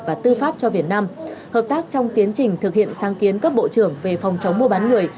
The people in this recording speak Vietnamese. và tư pháp cho việt nam hợp tác trong tiến trình thực hiện sáng kiến cấp bộ trưởng về phòng chống mua bán người